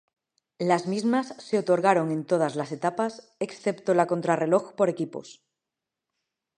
Las mismas se otorgaron en todas las etapas excepto la contrarreloj por equipos.